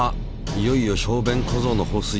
いよいよ小便小僧の放水開始。